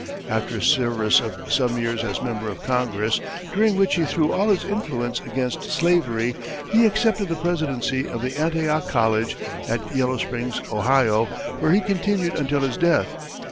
After a service of some years as member of Congress, during which he threw all his influence against slavery, he accepted the presidency of Antioch College, at Yellow Springs, Ohio, where he continued until his death.